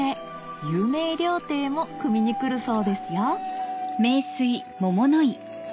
有名料亭も汲みに来るそうですよ